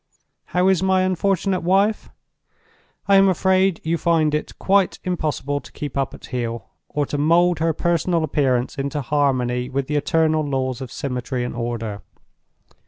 "How is my unfortunate wife? I am afraid you find it quite impossible to keep her up at heel, or to mold her personal appearance into harmony with the eternal laws of symmetry and order.